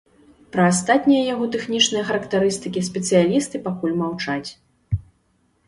Пра астатнія яго тэхнічныя характарыстыкі спецыялісты пакуль маўчаць.